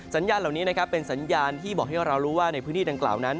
สัญญาณเหล่านี้นะครับเป็นสัญญาณที่บอกให้เรารู้ว่าในพื้นที่ดังกล่าวนั้น